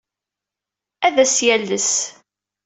Ad as-yales.